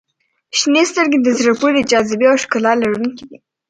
• شنې سترګې د زړه پورې جاذبې او ښکلا لرونکي دي.